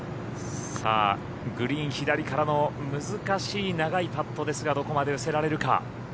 グリーン左からの難しい長いパットですがどこまで寄せられるか。